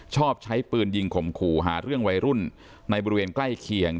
ชอบใช้ปืนยิงข่มขู่หาเรื่องวัยรุ่นในบริเวณใกล้เคียง